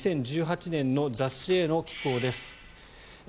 ２０１８年の雑誌への寄稿です。